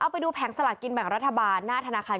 ไปดูแผงสลากกินแบ่งรัฐบาลหน้าธนาคาร